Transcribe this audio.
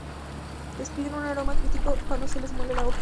Despiden un aroma cítrico cuando se los muele o aplasta.